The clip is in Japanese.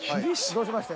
どうしました？